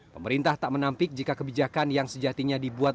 pemerintah tak menampik jika kebijakan yang sejatinya dibuat